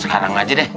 sekarang aja deh